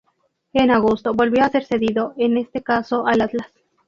En agosto volvió a ser cedido, en este caso al Atlas.